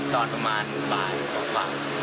ตอนประมาณบาทหรือบาท